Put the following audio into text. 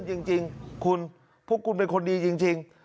โอ้โหเยี่ยมจริงคุณพวกคุณเป็นคนดีจริง